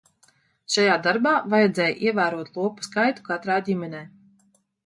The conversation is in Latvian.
Šajā darbā vajadzēja ievērot lopu skaitu katrā ģimenē.